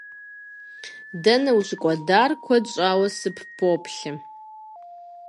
- Дэнэ ущыкӀуэдар? Куэд щӀауэ сыппоплъэ!